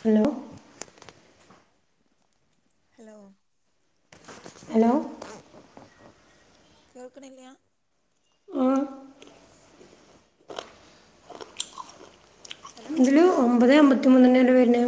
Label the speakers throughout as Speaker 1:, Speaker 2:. Speaker 1: Hello
Speaker 2: hello
Speaker 1: hello
Speaker 2: കേൾക്കണില്ല
Speaker 1: ആ
Speaker 2: hello
Speaker 1: ഇതില് ഒമ്പതെ അമ്പത്തിമൂന്നന്നെ വര്ണ്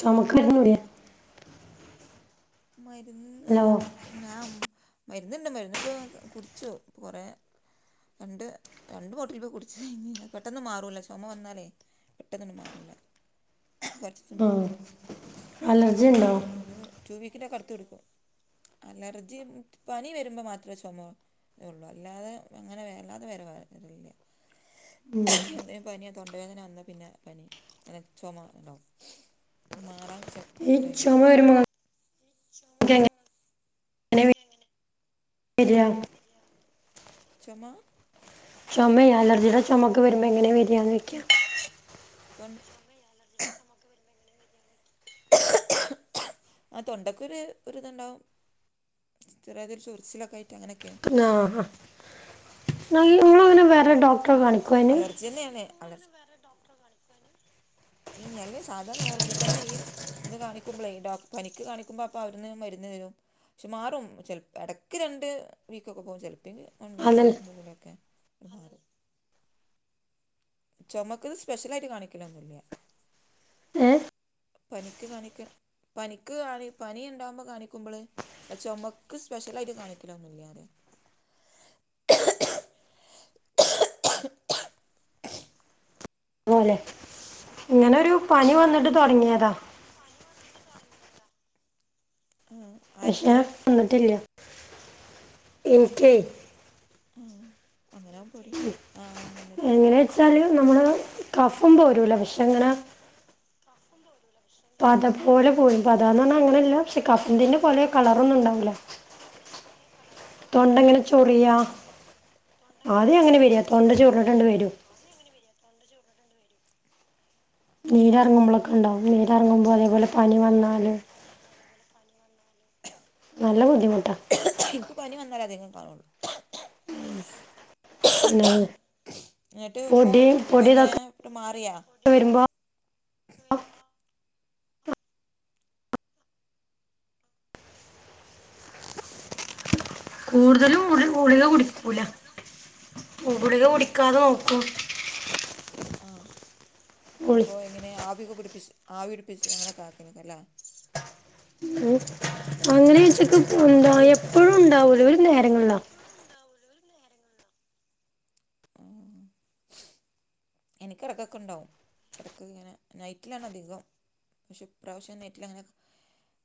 Speaker 1: ചൊമക്ക് മരുന്നിലൂടെ
Speaker 2: മരുന്ന്
Speaker 1: ഹലോ
Speaker 2: ഞാം മരുന്നുണ്ട് മരുന്നിപ്പോ കുടിച്ചു പ്പ കൊറെ രണ്ട് രണ്ട് ബോട്ടിലിപ്പ കുടിച്ച് കഴിഞ്ഞ് പെട്ടെന്ന് മാറൂല ചൊമ വന്നാലേ പെട്ടെനൊന്നും മാറൂല്ല
Speaker 1: ആഹ് അലർജി ഒണ്ടോ
Speaker 2: ഒരു റ്റൂ വീക്കിന്റെ ഒക്കെ അടുത്ത് എടുക്കും അലർജി പനി വരുമ്പോ മാത്രേ ചൊമ യൊള്ളൂ അല്ലാതെ അങ്ങനെ വല്ലാതെ വര വരല്ല്യ എന്തേം പനിയോ തൊണ്ടവേദന വന്ന പിന്നെ പനി അങ്ങനെ ചൊമ ഒണ്ടാവും മാറാൻ ശ
Speaker 1: ഈ ചൊമ വരുമ്പോ ക്കെങ്ങ
Speaker 2: ക്കെങ്ങനെ
Speaker 1: വര്യാ
Speaker 2: വര്യാ ചൊമ
Speaker 1: ചൊമ അലജിയുടെ ചൊമൊക്കെ വരുമ്പോ എങ്ങനെ വര്യാ ചോയിക്കാ
Speaker 2: ഡാ തൊണ്ട ചൊമ അലർജിടെ ചൊമൊക്കെ വരുമ്പ എങ്ങനെ ആഹ് തൊണ്ടക്കൊര് ഒരിതുണ്ടാവും ചെറിയാതി ഒരു ചൊറിച്ചിലൊക്കൊയിട്ട് അങ്ങനെ
Speaker 1: നാഹ ന്നാൽ നിങ്ങളങ്ങനെ വേറെ ഡോക്
Speaker 2: ഉം അലർജി തന്നെയാണ് എല്ലെ സാധാ നോർ ഇതന്നെ ഈ ഇന്ന് കാണിക്കുമ്പോളേ ഡോ പനിക്ക് കാണിക്കുമ്പോ അപ്പൊ അവട്ന്ന് മരുന്ന് തരും ക്ഷെ മാറും ചെൽ ഇടയ്ക്ക് രണ്ട് വീക്കൊക്കെ പോവും ചെലപ്പേങ്കി വൺ
Speaker 1: അതല്ല
Speaker 2: വീക്കിനുള്ളിലൊക്കെ മാറും ചൊമക്കത് സ്പെഷ്യലായിട്ട് കാണിക്കലൊന്നുല്ല്യാ
Speaker 1: ഏഹ്
Speaker 2: പനിക്ക് കാണിക്ക പനിക്ക് കാണി പനിണ്ടാവകുമ്പോ കാണിക്കുമ്പള് ചൊമക്ക് സ്പെഷ്യലായിട്ട് കാണിക്കലൊന്നുല്ല്യാ റയാ
Speaker 1: ന്നോലെ ഇങ്ങനൊരു പനി വന്നിട്ട് തൊടങ്ങിയതാ
Speaker 2: ഒരു പനി വന്നിട്ട് തൊടങ്ങിയതാ ആഹ്
Speaker 1: പക്ഷെ ന്ന്ട്ടില്ല ഇൻക്കേ
Speaker 2: ആഹ് അങ്ങനെകുമ്പോ പേടിയാ ആ ന്നട്ട്
Speaker 1: ന്ച്ചാൽ നമ്മള് കഫം പോരൂല പക്ഷെ
Speaker 2: ച്ചാല്
Speaker 1: അങ്ങനെ
Speaker 2: നമ്മള് കഫം പോരൂല പക്ഷേ
Speaker 1: പത പോലെ പോയി പതന്നർഞ്ഞാ അങ്ങന
Speaker 2: പത പോലെ പോയി പതന്നർഞ്ഞ പറഞ്ഞ അങ്ങനല്ല പക്ഷെ കഫത്തിന്റെ പോലെ കളറൊന്നുണ്ടാ
Speaker 1: തൊണ്ടങ്ങനെ ചൊറിയാ
Speaker 2: തൊണ്ട ഇങ്ങനെ
Speaker 1: ആദ്യം അങ്ങനെ
Speaker 2: ചൊറിയാ
Speaker 1: വരിക തൊണ്ട
Speaker 2: അ ആ
Speaker 1: ചൊറിഞ്ഞിട്ടാണ്ട് വരും
Speaker 2: ആദ്യ അങ്ങനെ വരാ തൊണ്ട ചൊറിഞ്ഞിട്ടാണ്ട് വരും
Speaker 1: നീരറങ്ങുമ്പോളൊക്കണ്ടാവും നീരറങ്ങുമ്പോ അതേപോലെ പനി വന്നാല്
Speaker 2: അതെപോലെ പനി വന്നാല് [inaudible]
Speaker 1: നല്ല ബുദ്ധിമുട്ടാ
Speaker 2: ഇന്ക് പനി വന്നാലേ അധികണ്ടാവൊള്ളൂ
Speaker 1: പിന്നെ
Speaker 2: എന്നിട്ട് ഇപ്പോൾ
Speaker 1: പൊടിം
Speaker 2: ഇപ്പോൾ എങ്ങനെ ഇപ്പം മാറിയാ പൊടി
Speaker 1: പൊടിതൊക്കെ
Speaker 2: ഇതൊക്കെ
Speaker 1: വരുമ്പോ കൂടുതലും ഗുളി ഗുളിക കുടിക്കൂല ഗുളിക കുടിക്കാതെ നോക്കും
Speaker 2: ആഹ്
Speaker 1: ഗുളി
Speaker 2: അപ്പോ എങ്ങനെ ആവിക്കെ പിടിപ്പിച്ച് ആവി പിടിപ്പിച്ച് അങ്ങനെക്കെ ആക്കലെക്കാരുല്ലേ
Speaker 1: ഉം അങ്ങനെ വച്ച്ക്ക് പ്പൊഎന്താ
Speaker 2: ആവി പിടിക്കൽ
Speaker 1: എപ്പഴും ഇണ്ടാവൂല ഒരു നേരങ്ങൾല
Speaker 2: എനിക്കെടക്കൊക്കെ ഇണ്ടാവും എടക്ക് ഇങ്ങനെ നൈറ്റിലാണ് അധികം പക്ഷെ ഇപ്രാശ്യ നെറ്റിലങ്ങനെ ക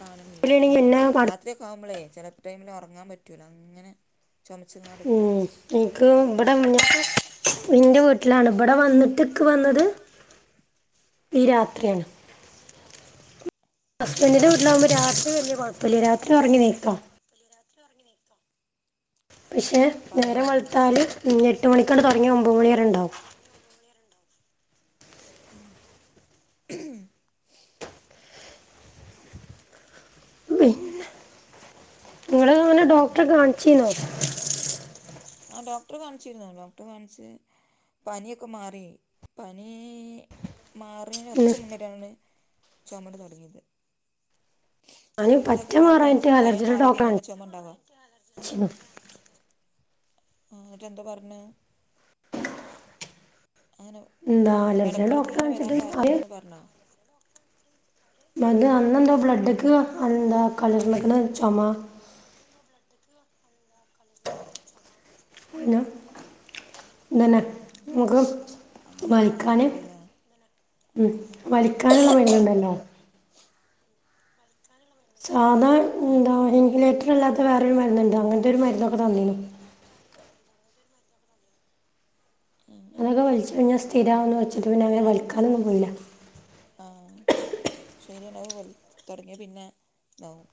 Speaker 2: കാണലില്ല
Speaker 1: ണെങ്കി
Speaker 2: രാത്രി
Speaker 1: പിന്നെ
Speaker 2: രാത്രിയക്കാവുമ്പളെ ചില ടൈമില് ഒറങ്ങാ പറ്റുല അങ്ങനെ ചുമച്ച്ങ്ങാണ്ട്
Speaker 1: ക്ക് ഇബടെ ന്റെ ന്റെ വീട്ടിലാണ് ഇബടെ വന്ന്ട്ട് ക്ക് വന്നത് ഈ രാത്രിയാണ് ഹസ്ബൻഡിന്റെ വീട്ടിലാവുമ്പോ രാത്രി വല്യ കൊഴപ്പല്ല രാത്രി ഉറങ്ങി നീക്കാം
Speaker 2: രാത്രി ഉറങ്ങി നീക്കാം
Speaker 1: പക്ഷെ
Speaker 2: പകലാവുല്ലേശ്നം നേരം വെൾത്താല്
Speaker 1: തുടങ്ങി ഒമ്പത് മണി വരെ
Speaker 2: എട്ട്മണിക്കാണ്ട്
Speaker 1: ഉണ്ടാവും
Speaker 2: തുടങ്ങി ഒമ്പത് മണിവരെണ്ടാവും ഉം
Speaker 1: പിന്നെ നിങ്ങള് ങ്ങനെ
Speaker 2: പിന്നെ
Speaker 1: ഡോക്ടറെ കാണിചീന്നോ
Speaker 2: ആ ഡോക്ടറെ കാണിച്ചിരുന്നു ഡോക്ടറെ കാൺച്ച് പനിയൊക്കെ മാറി പനി മാർ റി
Speaker 1: ഇന്ന്
Speaker 2: കൊറച്ച് മുന്നേട്ടാണ് ചൊമങ്ങട്ട് തൊടങ്ങിയത്
Speaker 1: ഞാന് പറ്റെ
Speaker 2: എല്ലാവർക്കും
Speaker 1: മാറാഞ്ഞിട്ട്
Speaker 2: പനി
Speaker 1: അലർജ്ജിന്റെ
Speaker 2: മാറി
Speaker 1: ഡോക്ടറെ
Speaker 2: കഴിഞ്ഞാൽ ചുമ ഉണ്ടാവുക
Speaker 1: കാൺചിർന്നു
Speaker 2: ആഹ് ന്ന്ട്ട്ന്താ പറഞ്ഞ് അങ്ങനെ
Speaker 1: എന്താ അലർജിയുടെ ഡോക്ടറെ
Speaker 2: എടക്കടക്ക്ങ്ങനെ വരാൻ
Speaker 1: കാണിച്ചിട്ട്
Speaker 2: കാരണം
Speaker 1: അവര്
Speaker 2: എന്താന്ന് പറഞ്ഞൊ
Speaker 1: ന്നട്ട് അന്നെന്താ ബ്ലഡ്ക്ക് അന്താ കലർന്ന്ക്ക്ണ് ചൊമ
Speaker 2: ന്നട്ട് അന്നെന്താ ബ്ലഡ്ക്ക് അന്താ കലർന്ന്ക്ക്ണ് ചൊമ
Speaker 1: പിന്നെ
Speaker 2: ആ
Speaker 1: ഇതെന്നെ ഇൻക്ക്
Speaker 2: അങ്ങനൊക്കെ ആവുമ്പോ
Speaker 1: വലിക്കാന്
Speaker 2: പേടില്ലേ
Speaker 1: ഉം വലിക്കാന്ള്ള മരുന്ന്ണ്ടല്ലോ
Speaker 2: വലിക്കാന്ള്ള മര്
Speaker 1: സാധാ എന്താ ഇൻഹുലേറ്റർ അല്ലാത്ത വേറൊരു മരുന്ന്ണ്ട് അങ്ങൻത്തൊരു മരുന്നൊക്കെ തന്നീനു
Speaker 2: ഉം ഉം
Speaker 1: അതൊക്കെ വൽച്ചയ്ഞ്ഞാ സ്ഥിരാവൊന്ന് വച്ചിട്ട് പിന്നെ അങ്ങനെ വലിക്കാനൊന്നും പോയില്ല
Speaker 2: ആഹ് ശരിയെന്നെ അത് വലി തൊടങ്ങിയ പിന്നെ ഇതാവും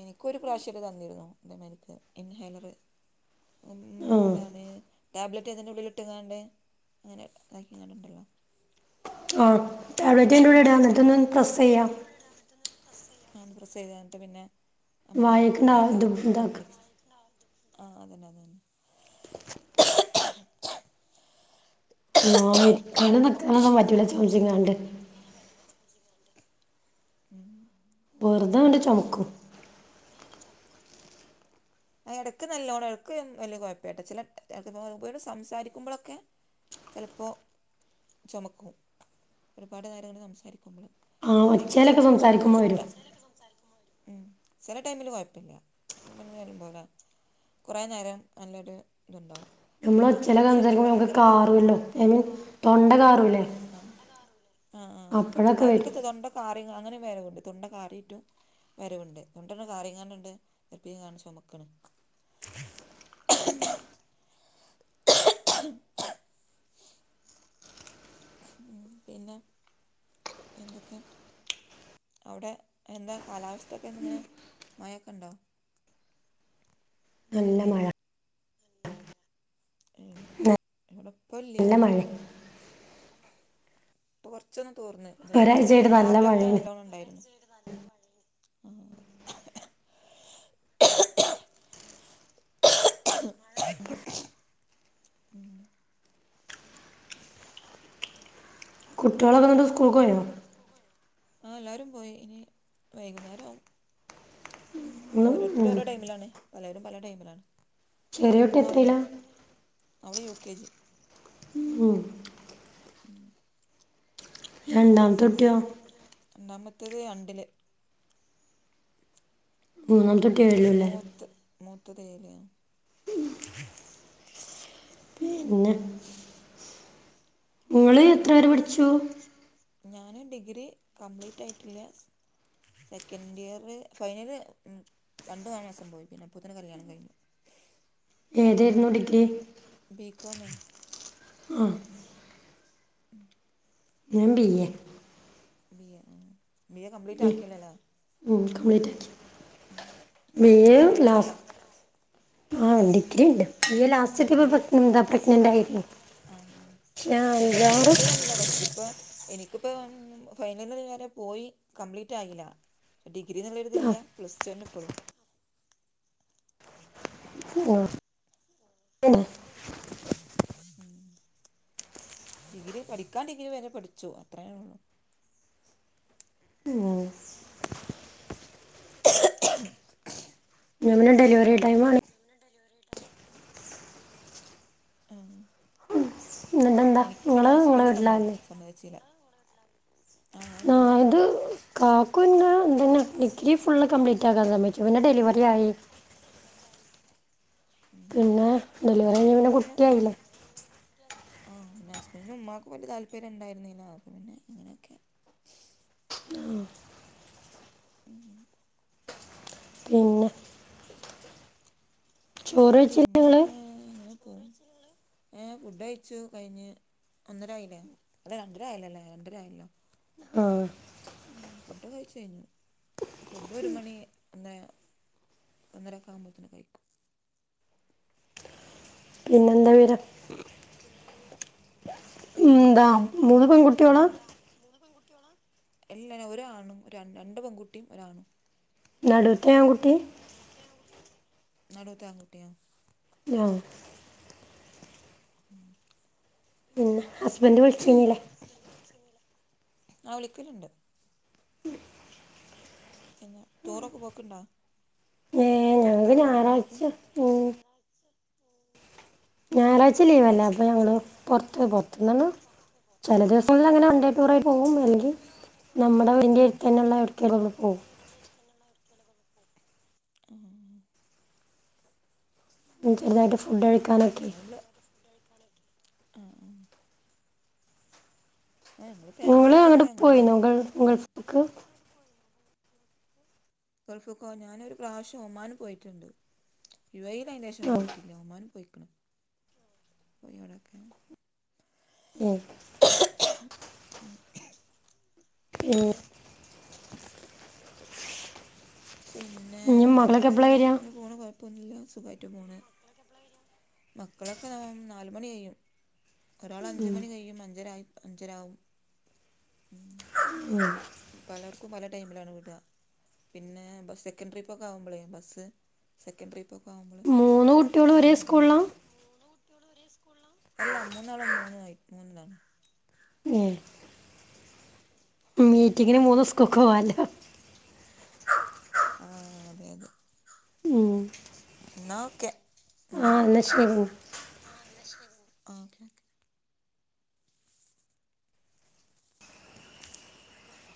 Speaker 2: എനിക്കൊരു പ്രാവശ്യൊക്കെ തന്നിരുന്നു ഇതേമാതീര്ത്തേ ഇൻഹീലറ്
Speaker 1: ആഹ്
Speaker 2: എന്താണ് ടാബ്ലറ്റ് അതിൻ്റെ ഉള്ളില്ട്ട്കാണ്ട് അങ്ങനെ താ അങ്ങനെണ്ടല്ലോ
Speaker 1: ആഹ് ടാബ്ലറ്റ് അയ്റ്റുള്ള്ല്ടാ ഇന്ന്ട്ടൊന്ന് പ്രസ്സെയ്യാ
Speaker 2: ആഹ് പ്രസ്സെയ്താട്ട് പിന്നെ നമ്മള് വായക്ക്
Speaker 1: ഇത്
Speaker 2: അകത്തേക്ക്
Speaker 1: ഇതാക്ക
Speaker 2: ലക് ആഹ് അതെന്നെ അതെന്നെ.
Speaker 1: നാവിരിക്കണനിക്കണതു പറ്റൂല ചോയ്ച്ങ്ങാണ്ട്
Speaker 2: ഉം
Speaker 1: വെറ്തെങ്ങട്ട് ചൊമക്കും.
Speaker 2: ആഹ് എടക്ക് നല്ലോണം എടക്ക് വെല്ല്യ കൊയപ്പാട്ട് ചില [unintelligible] സംസാരിക്കുമ്പളൊക്കെ ചെലപ്പോ ചൊമക്കും ഒരുപാട് നേരങ്ങട്ട് സംസാരിക്കുമ്പള്
Speaker 1: ആഹ്
Speaker 2: അല്ലെങ്കില്
Speaker 1: ഒച്ചേലൊക്കെ
Speaker 2: കൊയപ്പ
Speaker 1: സംസാരിക്കുമ്പോ
Speaker 2: ഇച്ചിരി
Speaker 1: വരും
Speaker 2: ഒച്ചേലൊക്കെ സംസാരിക്കുമ്പൊ വരും ചെല ടൈമിൽ കൊയപ്പല്ല അത് ഇങ്ങള് പറിമ്പോലെ കൊറേ നേരം നല്ലൊര് ത്ണ്ടാവും.
Speaker 1: ഞമ്മള് ഒച്ചേലൊക്കെ സംസംസാരിക്കുമ്പോ നമ്മക്ക് കാറൊല്ലോ ഐ മീൻ തൊണ്ട കാറുല്ലേ?
Speaker 2: ആഹ് തൊണ്ടകാറൂലേ ആഹ് ആഹ് ആ എടക്ക്
Speaker 1: വരും
Speaker 2: തൊണ്ട കാറി അങ്ങനെ വരവ്ണ്ട് തൊണ്ട കാറിറ്റും വെരവ്ണ്ട് തൊണ്ടൊക്കെ കാറികാണ്ട് ണ്ട് എപ്പേം ആണ്ട് ചൊമക്ക്ണ്. [unintelligible] ഉം പിന്നെ എന്തൊക്കെ? അവ്ടെ എന്താ കാലാവസ്ഥൊക്കെ ന്ന്ങ്ങനെ മഴൊക്കെ ണ്ടോ
Speaker 1: നല്ല മഴ.
Speaker 2: ഏഹ് ഇവടെപ്പല്ല്യ
Speaker 1: നല്ല മഴെ
Speaker 2: ഇപ്പൊ കൊറച്ചൊന്ന് തോർന്ന് ഇതെരേ
Speaker 1: ഒരാഴ്ചയായിട്ട് നല്ല
Speaker 2: രാവിലൊക്കെ
Speaker 1: മഴയാണ്
Speaker 2: നല്ലോണം ഇണ്ടായ്രുന്നു. മഴണ്ട് ഉം
Speaker 1: കുട്ട്യോളൊക്കെന്ന്ട്ട് സ്കൂൾക്കോയോ?
Speaker 2: ആഹ് എല്ലാരും പോയി ഇനി വൈകുന്നേരേവും
Speaker 1: ഒന്നും
Speaker 2: ഓരോരുത്തരും
Speaker 1: ഉം.
Speaker 2: ഓരോ ടൈമിലാണ് പലരും പല ടൈമിലാണ്
Speaker 1: ചെറിയ കുട്ടി
Speaker 2: മൂന്നാളും മൂ
Speaker 1: എത്രയിലാ
Speaker 2: അവള് യു കെ ജി.
Speaker 1: ഉം
Speaker 2: [inaudible]
Speaker 1: രാണ്ടാം
Speaker 2: രണ്ടാമത്തേത് രണ്ടില്.
Speaker 1: മൂന്നാംതുട്ടി
Speaker 2: മൂത്ത് മൂത്തത് ഏയില
Speaker 1: പിന്നെ? ഇങ്ങള് എത്ര വരെ പഠിച്ചു?
Speaker 2: [inaudible] ഞൻ ഡിഗ്രി കംപ്ലീറ്റ് ആയിട്ടില്ല സെക്കൻഡ് ഇയർ ഫൈനല് രണ്ടു മാ മാസം പോയ്‌ പിന്നെ അപ്പോതിനെ കല്യാണം കയ്ഞ്ഞു.
Speaker 1: ഏതായ്രുന്നു ഡിഗ്രി?
Speaker 2: ബി കോമ്
Speaker 1: ആഹ്
Speaker 2: [inaudible]
Speaker 1: ഞാൻ B A.
Speaker 2: B A B A complete ആക്കിലെ ലെ?
Speaker 1: മ് കംപ്ലീറ്റ് ആക്കി ബി
Speaker 2: ഇപ്പ
Speaker 1: എ
Speaker 2: ഡിഗ്രി ഉണ്ടല്ലോ
Speaker 1: ലാസ്റ്റ് ആ ണ്ടി
Speaker 2: ഡിഗ്രി
Speaker 1: പ്രഗ്നൻ്റ് ആയിരുന്നു
Speaker 2: അഹ്
Speaker 1: പക്ഷേ
Speaker 2: ഡിഗ്രി
Speaker 1: അഞ്ചാറ്
Speaker 2: [unintelligible] ഇപ്പ ഇ നി ക്ക് പ്പം ഫൈനല് വരെ പോയി കംപ്ലീറ്റ് ആയില. ഡിഗ്രി ന്ന്ള്ളൊര് ഇത്
Speaker 1: ആ
Speaker 2: ല്ല്യ പ്ലസ് ടു ന്നെ ഇപ്പളും.
Speaker 1: ഓ
Speaker 2: എന്റെര്ത് ണ്ടാവല്ലേ? മ് ഡിഗ്രി പഠിക്കാൻ ഡിഗ്രി വരെ പഠിച്ചു അത്രേനൊ ള്ളൂ
Speaker 1: ഉം. ഇത് ഡെലിവറി ടൈം ആണ്
Speaker 2: ആഹ്
Speaker 1: എന്നിട്ട് എന്താ
Speaker 2: എനിക്ക്
Speaker 1: നിങ്ങൾ
Speaker 2: പിന്നെ
Speaker 1: നിങ്ങളെ
Speaker 2: ഹസ്ബൻഡ് സമ്മെച്
Speaker 1: വീട്ടിലാവില്ലേ
Speaker 2: സമ്മതിച്ചില്ല ആഹ് ഞാൻ എന്റ വീട്ട്ല്
Speaker 1: കാക്കു ഇന്നേ ഇത് ന് ഡിഗ്രി ഫുള്ള് കംപ്ലീറ്റ് ആക്കാം സമ്മേച്ച് പിന്നെ ഡെലിവറി ആയി
Speaker 2: ഡെലിവറി ആയി
Speaker 1: പിന്നാ ഡെലിവറി കയിഞ്ഞാ പിന്ന കുട്ടി ആയില്ലേ
Speaker 2: ഉം പിന്നെ ഹസ്ബൻഡിന്റ ഉമ്മാക്കു വല്യ താല്പര്യം ഇണ്ടായ്ര്ന്നീല്ല പിന്നെ ഇങ്ങനെയൊക്കെ ഉ ഉം
Speaker 1: പിന്നെ ചോറ് വെച്ചില്ലേ നിങ്ങള്
Speaker 2: പിന്നെപ്പ ഇങ്ങനെ പോന്ന് ഏഹ് ഫുഡ് കയ്ച്ചു കയിഞ്ഞ് ഒന്നര ആയില്ലേ അല്ല രണ്ടര ആയല്ലോ അല്ലേ രണ്ടര ആയല്ലോ
Speaker 1: ആഹ്
Speaker 2: ഉം ഫുഡ് കയ്ച്ച് കയിഞ്ഞു ഫുഡ് ഒരു മണി ഒന്നെ രക്ക ആകുമ്പത്തെന് കയിക്കും
Speaker 1: പിന്നെന്താ വേറെ
Speaker 2: പിന്നെ
Speaker 1: എന്താ
Speaker 2: ഇങ്ങനെ പോണ്
Speaker 1: മൂന്ന് പെൺകുട്ടിയോളാ
Speaker 2: കൊയപ്പൊന്നുല്ല മൂന്ന് പെൺകുട്ടികള അല്ല ഒരാണും രണ്ട രണ്ട് പെങ്കുട്ടിയും ഒരാണും
Speaker 1: നടുത്തെ ആങ്കുട്ടി
Speaker 2: നടുത്തെ ആൺകുട്ടി നടൂത്തെ ആങ്കുട്ടിയാ
Speaker 1: ആഹ്
Speaker 2: ഉം
Speaker 1: പിന്ന ഹസ്ബന്റ് വിളിച്ചീന്നില്ലേ
Speaker 2: ആഹ് വിളിക്കല്ണ്ട് പിന്ന ടൂറൊക്ക പോക്ക്ണ്ടാ
Speaker 1: ടൂർ ഞാറാഴ്ച്ച പോവും
Speaker 2: ഞായറാഴ്ച
Speaker 1: ഞാറാ ച്ച് ലീവല്ല അപ്പ
Speaker 2: ഞായറാഴ്ച
Speaker 1: ഞങ്ങള് പൊറത്ത് പൊറത്ത്ന്നാണ് ചെല ദെവസങ്ങൾലങ്ങനെ വണ്ടേ ടൂറായി പോകും അല്ലെങ്കി നമ്മട വണ്ടയെട്ത്തെന്നെ ഉള്ള എവിടക്കെലൊക്ക പോവും
Speaker 2: ആഹ്
Speaker 1: ഉം ചെറ്താട്ട് ഫുഡ് കയിക്കാനൊക്കെ
Speaker 2: വ്ട ആഹ് ആഹ് ആഹ് ഞങ്ങള് ഫാമിലി ആയിട്ടെക്കെ ഞങ്ങള്വ്ടെ പോവും
Speaker 1: ക്
Speaker 2: ഗൾഫ്‌ക്കോ ഞാനൊരു പ്രാവശം ഒമാന് പോയ്ട്ടൊണ്ട് യു എയിൽ അയ്നെശം
Speaker 1: ആ
Speaker 2: പോയ്ട്ടി എ ഒമാനി പോയ്ക്ക്ണ് പോയ് അവ്ടെക്കെ
Speaker 1: ഉം
Speaker 2: ഉ
Speaker 1: ഉം
Speaker 2: പിന്നെ വേറെന്താ
Speaker 1: വരിക
Speaker 2: ഇങ്ങന പോണു കൊയ പൊന്നൂല്ലാതെ സുഖായിട്ട് പോണ് മക്കളക്കെ നാ നാല് മണി കയിയും ഒരാള് അഞ്ച് മണി കയിയും അഞ്ചര ആയ് അഞ്ചരാവും ഉം
Speaker 1: ഉം
Speaker 2: പലർക്കും പല ടൈമിലാണ് വിട്ക പിന്നെ ബ സെക്കൻഡ് ട്രിപ്പൊക്ക ആകുമ്പളെ ബസ്സ് സെക്കൻഡ് ട്രിപ്പ്ക്ക ആവ്മ്പളും
Speaker 1: മൂന്ന് കുട്ടികളും ഒരേ
Speaker 2: അങ്ങനെക്കെ ടൈം
Speaker 1: സ്കൂളിലാണ്
Speaker 2: എട്ക്കും അല്ല മൂന്നാളും മൂന്ന് വയ് മൂന്ന്ല
Speaker 1: ഉം മീറ്റിങ്ങിന് മൂന്ന് സ്കൂക്ക് പോവാല്ലോ
Speaker 2: ആഹ് അതെ അതെ
Speaker 1: ഉം
Speaker 2: ന്നാ ക്കെ
Speaker 1: ആഹ് ന്നാ ശരി
Speaker 2: ആഹ് ന്നാ ശെരി. ആഹ് ഓക്കേ ഓക്കേ